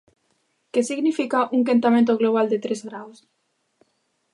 ¿Que significa un quentamento global de tres graos?